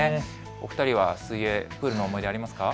お二人は水泳プールの思い出ありますか。